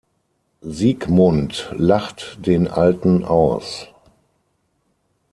Siegmund lacht den Alten aus.